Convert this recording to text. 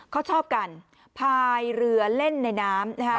เขาชอบกันพายเรือเล่นในน้ำนะคะ